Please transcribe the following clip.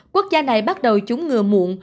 quốc gia này bắt đầu chúng ngừa muộn